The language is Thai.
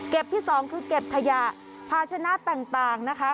เก็บที่สองคือเก็บพญาพาชนาตร์ต่างนะคะ